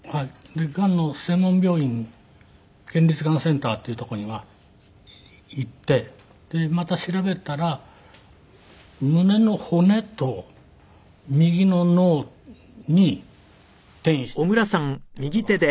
でがんの専門病院県立がんセンターっていう所には行ってまた調べたら胸の骨と右の脳に転移しているっていう事がわかって。